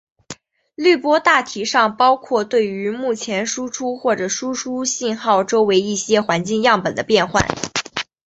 滤波大体上包括对于目前输入或者输出信号周围一些环境样本的变换。